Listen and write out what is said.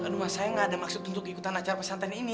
aduh saya gak ada maksud untuk ikutan acara pesantren ini